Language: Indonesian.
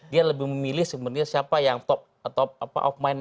dia lebih memilih sebenarnya siapa yang top atau of mind